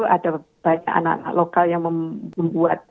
ada banyak anak anak lokal yang membuat